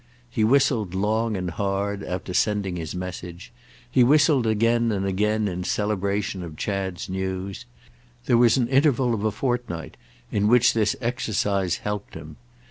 He whistled long and hard after sending his message; he whistled again and again in celebration of Chad's news; there was an interval of a fortnight in which this exercise helped him.